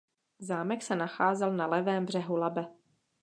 Zámek se nacházel na levém břehu Labe.